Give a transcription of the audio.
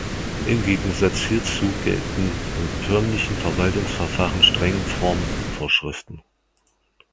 Im Gegensatz hierzu gelten im förmlichen Verwaltungsverfahren strenge Formvorschriften.